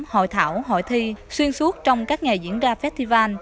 hội thảo hội thi xuyên suốt trong các ngày diễn ra festival